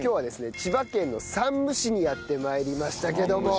千葉県の山武市にやって参りましたけども。